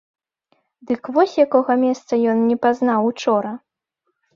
Дык вось якога месца ён не пазнаў учора!